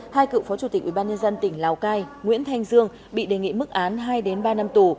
hai cựu phó chủ tịch ubnd tỉnh lào cai nguyễn thanh dương bị đề nghị mức án hai ba năm tù